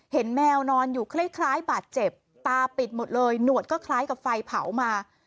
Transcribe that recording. แมวนอนอยู่คล้ายบาดเจ็บตาปิดหมดเลยหนวดก็คล้ายกับไฟเผามา